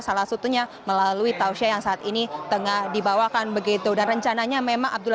salah satunya melalui tausiah yang saat ini tengah dibawakan begitu dan rencananya memang abdullah